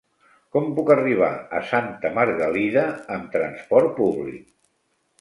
Com puc arribar a Santa Margalida amb transport públic?